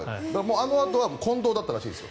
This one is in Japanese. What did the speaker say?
あのあとは近藤だったらしいです。